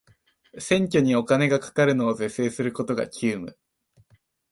選挙にお金がかかるのを是正することが急務